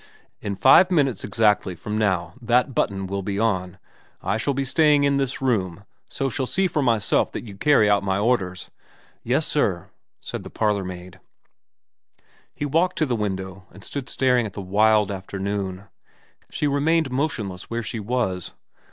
' In five minutes exactly from now that button will be on. I shall be staying in this room, so shall see for myself that you carry out my orders.' ' Yes sir,' said the parlourmaid. He walked to the window and stood staring at the wild afternoon. She remained motionless where she was.